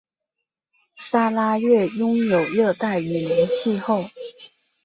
砂拉越拥有热带雨林气候。